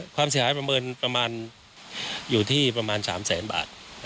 ความเสียหายประมาณอยู่ที่ประมาณ๓แสนบาท